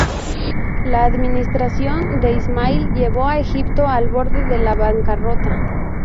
La administración de Ismail llevó a Egipto al borde de la bancarrota.